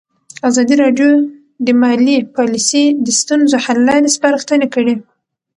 ازادي راډیو د مالي پالیسي د ستونزو حل لارې سپارښتنې کړي.